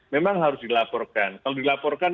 memang harus dilaporkan kalau dilaporkan